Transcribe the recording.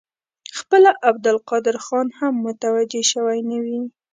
خپله عبدالقادر خان هم متوجه شوی نه وي.